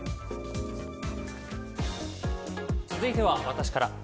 続いては私から。